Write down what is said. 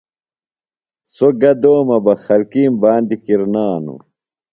سوۡ گہ دومہ بہ خلکِیم باندیۡ کِرنانوۡ۔